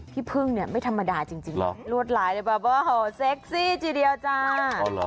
พี่พึ่งเนี่ยไม่ธรรมดาจริงรวดลายเลยแบบว่าโหเซ็กซี่ทีเดียวจ้า